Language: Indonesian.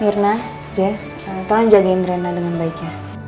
mirna jess tolong jagain reina dengan baik ya